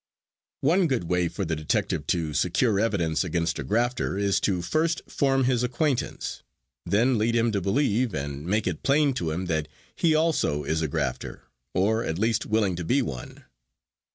One good way for the detective to secure evidence against a grafter is to first form his acquaintance, then lead him to believe, and make it plain to him that he also is a grafter, or at least willing to be one.